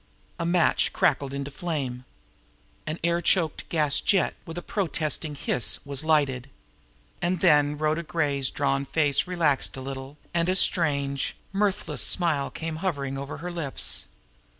A match crackled into flame. An air choked gas jet, with a protesting hiss, was lighted. And then Rhoda Gray's drawn face relaxed a little, and a strange, mirthless smile came hovering over her lips.